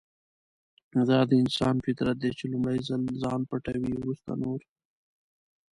دا د انسان فطرت دی چې لومړی خپل ځان پټوي ورسته نور.